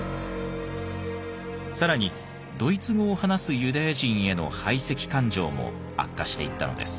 更にドイツ語を話すユダヤ人への排斥感情も悪化していったのです。